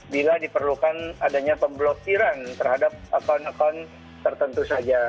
bila diperlukan adanya pemblokiran terhadap akun akun tertentu saja